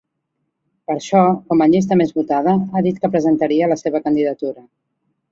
Per això, com a llista més votada, ha dit que presentaria la seva candidatura.